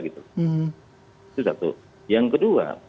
itu satu yang kedua